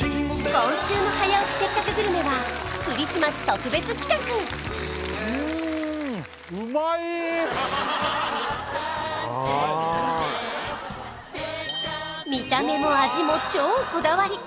今週の「早起きせっかくグルメ！！」はクリスマス特別企画見た目も味も超こだわり！